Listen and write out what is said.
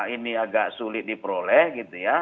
ini agak sulit diperoleh gitu ya